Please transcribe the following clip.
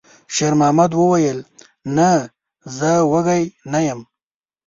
شېرمحمد وویل: «نه، زه وږی نه یم.»